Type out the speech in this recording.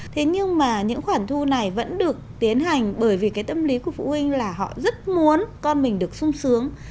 thế nhưng mà những khoản thu này vẫn được tiến hành bởi vì cái tâm lý của phụ huynh là họ rất muốn con mình được sung sướng